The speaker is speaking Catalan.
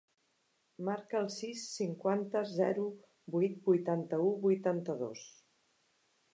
Marca el sis, cinquanta, zero, vuit, vuitanta-u, vuitanta-dos.